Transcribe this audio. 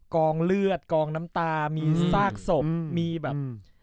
กองเลือดกองน้ำตามีซากศพมีแบบ